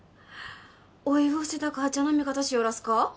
おいを捨てたかーちゃんの味方しよらすか？